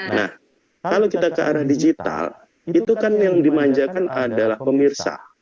nah kalau kita ke arah digital itu kan yang dimanjakan adalah pemirsa